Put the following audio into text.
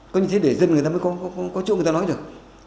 có như thế để dân người ta mới có chỗ người ta nói được